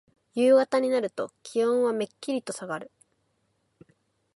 夕方になると気温はめっきりとさがる。